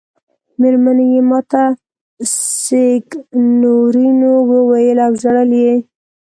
مېرمنې یې ما ته سېګنورینو وویل او ژړل یې.